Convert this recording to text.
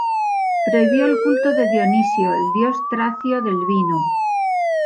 Prohibió el culto de Dioniso, el dios tracio del vino.